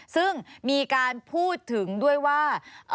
ซึ่งมีการพูดถึงด้วยว่า